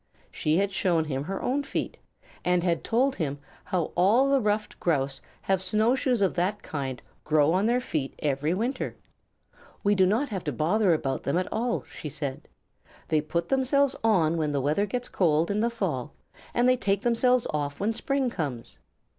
She had shown him her own feet, and had told him how all the Ruffed Grouse have snow shoes of that kind grow on their feet every winter. "We do not have to bother about them at all," she said. "They put themselves on when the weather gets cold in the fall, and they take themselves off when spring comes.